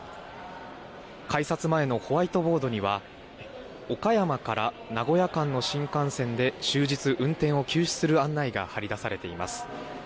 改札前のホワイトボードには岡山から名古屋間の新幹線で終日運転を休止する案内が張り出されています。